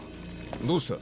どうした？